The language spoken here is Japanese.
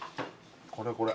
これこれ。